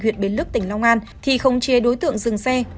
huyện bến lức tỉnh long an không chê đối tượng dừng xe